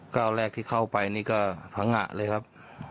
ก้าวแรกที่เข้าไปนี่ก็พังงะเลยครับ